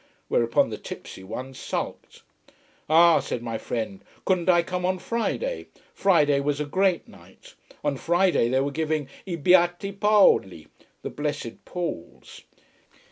Whereupon the tipsy one sulked. Ah, said my friend, couldn't I come on Friday. Friday was a great night. On Friday they were giving I Beati Paoli: The Blessed Pauls.